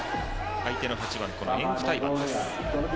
相手の８番エンフタイバンです。